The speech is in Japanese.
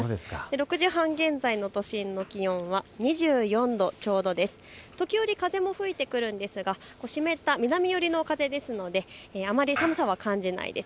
６時半現在の都心の気温は２４度ちょうどで時折、風も吹いてくるんですが湿った南寄りの風ですのであまり寒さは感じないです。